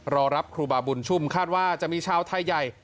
รอรับครูบาบุญชุ่มคาดว่าจะมีชาวไทยใหญ่